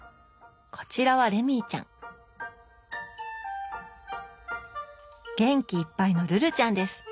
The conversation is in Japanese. こちらはレミーちゃん元気いっぱいのルルちゃんです。